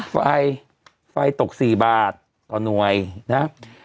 ค่ะไฟตก๔บาทหน่วยนะ